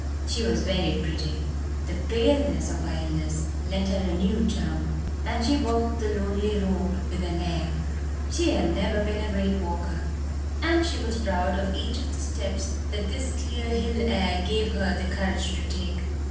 She was very pretty. The paleness of her illness lent her a new charm. And she walked the lonely road with an air. She had never been a great walker, and she was proud of each of the steps that this clear hill air gave her the courage to take.